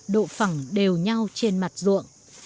độ phẳng đều nhau trên mặt ruộng